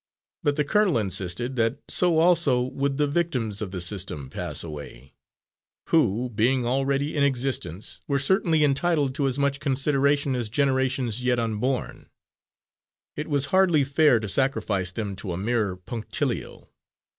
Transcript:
But the colonel insisted that so also would the victims of the system pass away, who, being already in existence, were certainly entitled to as much consideration as generations yet unborn; it was hardly fair to sacrifice them to a mere punctilio.